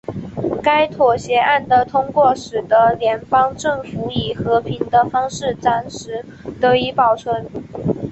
该妥协案的通过使得联邦政府以和平的方式暂时得以保全。